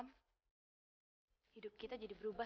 ingatkan waktu pertama kali kita ketemu bram